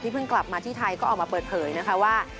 เพิ่งกลับมาที่ไทยก็ออกมาเปิดเผยนะคะว่า